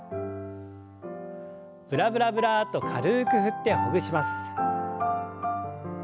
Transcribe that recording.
ブラブラブラッと軽く振ってほぐします。